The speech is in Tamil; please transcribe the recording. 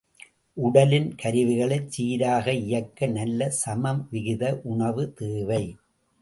உடலின் கருவிகளைச் சீராக இயக்க நல்ல சமவிகித உணவு தேவை.